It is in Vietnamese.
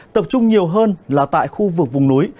tập trung nhiều hơn là tại khu vực vùng núi